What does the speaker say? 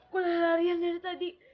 gue larian dari tadi